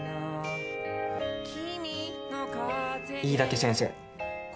いいだけ先生。